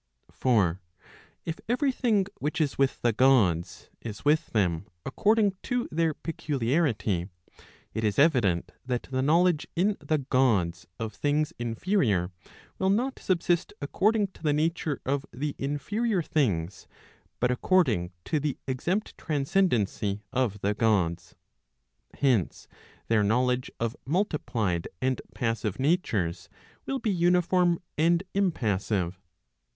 For if every thing which is with the Gods, is with them according to their peculiarity, it is evident that the knowledge in the Gods of things inferior, will not subsist according to the nature of the inferior things, but according to the exempt transcendency of the Gods. Hence, their knowledge of multiplied and passive natures, will be uniform and impas¬ sive.